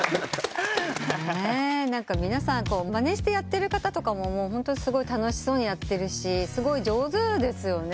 皆さんまねしてやってる方もすごい楽しそうにやってるしすごい上手ですよね。